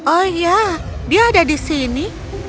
oh iya dia ada di sini